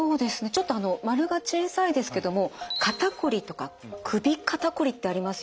ちょっと丸が小さいですけども「肩こり」とか「首肩こり」ってありますよね。